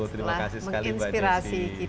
terima kasih sekali mbak desi